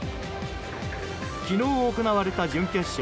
昨日、行われた準決勝。